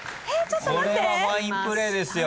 これはファインプレーですよ。